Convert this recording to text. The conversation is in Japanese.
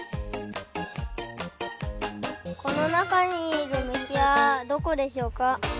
このなかにいるむしはどこでしょうか？